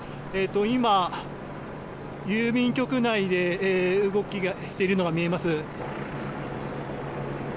今、郵便局内で動いているのが見えます。